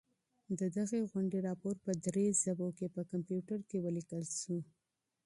د دغي غونډې راپور په درو ژبو کي په کمپیوټر کي ولیکل سو.